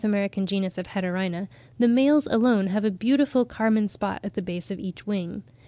American genus of Hetaerina, the males alone have a beautiful carmine spot at the base of each wing.